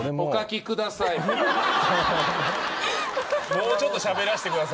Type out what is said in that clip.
もうちょっとしゃべらしてくださいよ。